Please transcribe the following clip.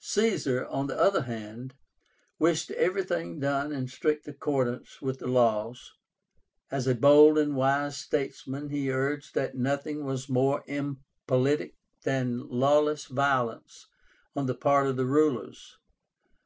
Caesar, on the other hand, wished everything done in strict accordance with the laws; as a bold and wise statesman, he urged that nothing was more impolitic than lawless violence on the part of the rulers.